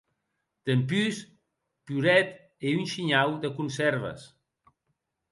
Dempús, poret e un shinhau de consèrves.